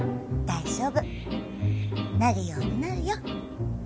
大丈夫なるようになるよ。